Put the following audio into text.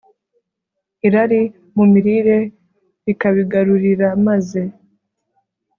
irari mu mirire rikabigarurira maze